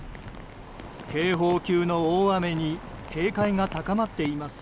警報級の大雨に警戒が高まっています。